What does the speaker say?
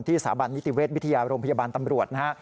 ที่สถาบันนิตเวทย์วิทยาโรมพยาบานตำรวจ